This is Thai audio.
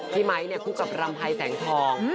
พี่ไมค์คู่กับลำไพรแสงทอง